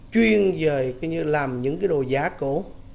chuyên về làm những cái đồ giá cổ